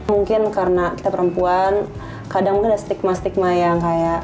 mungkin karena kita perempuan kadang mungkin ada stigma stigma yang kayak